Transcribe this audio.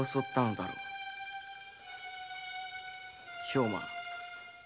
兵馬